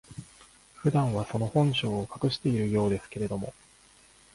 普段は、その本性を隠しているようですけれども、